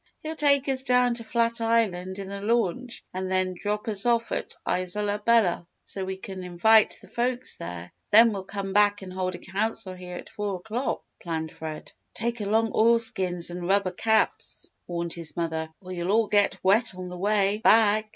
He'll take us down to Flat Island in the launch and then drop us off at Isola Bella so we can invite the folks there. Then we'll come back and hold a Council here at four o'clock," planned Fred. "Take along oil skins and rubber caps," warned his mother, "or you'll all get wet on the way back."